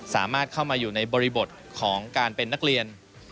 สามารถเข้ามาอยู่ในบริบทของการเป็นนักเรียน